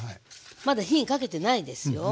まだ火にかけてないですよ。